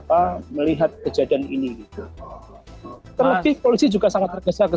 saya kira rekonstruksi semacam itu hanya bentuk hal yang terjadi di sana